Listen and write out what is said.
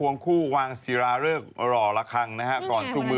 นั่งสวยนั่งหลวยจริงนะเธอ